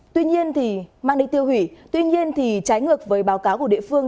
tuy nhiên mang đi tiêu hủy tuy nhiên thì trái ngược với báo cáo của địa phương